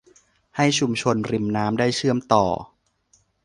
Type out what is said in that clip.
ให้ชุมชนริมน้ำได้เชื่อมต่อ